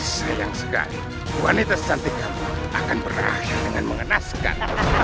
sayang sekali wanita santik kamu akan berakhir dengan mengenaskan